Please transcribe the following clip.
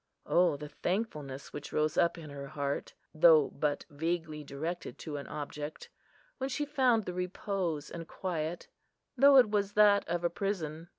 O the thankfulness which rose up in her heart, though but vaguely directed to an object, when she found the repose and quiet, though it was that of a prison!